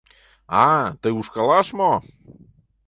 А-а, тый ушкалаш мо!